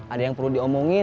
ada yang perlu diomongin